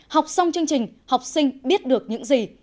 học xong chương trình học sinh biết được những gì